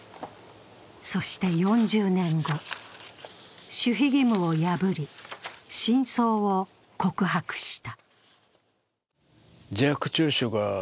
そして４０年後、守秘義務を破り真相を告白した。